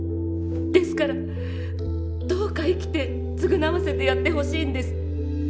ですからどうか生きて償わせてやってほしいんです！